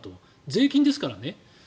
税金ですからね。